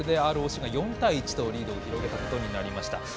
ＲＯＣが４対１とリードを広げることになりました。